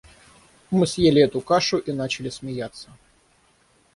Мы съели эту кашу и начали смеяться.